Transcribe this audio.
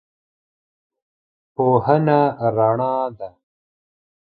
پوهنه ده رڼا